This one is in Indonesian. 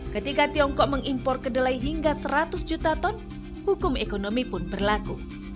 ketika tiongkok mengimpor kedelai hingga seratus juta ton hukum ekonomi pun berlaku